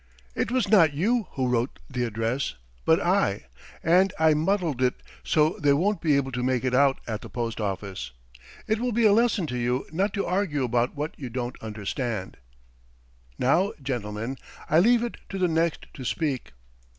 It was not you who wrote the address but I, and I muddled it so they won't be able to make it out at the post office. It will be a lesson to you not to argue about what you don't understand.' "Now, gentlemen, I leave it to the next to speak."